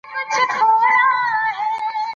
مه هیروئ چې پوهه رڼا ده.